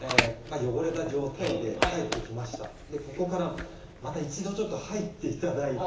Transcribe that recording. ここからまた一度入っていただいて。